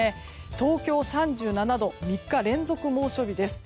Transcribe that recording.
東京３７度３日連続猛暑日です。